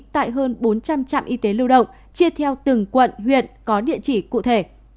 tại hơn bốn trăm linh trạm y tế lưu động chia theo từng quận huyện có địa chỉ cụ thể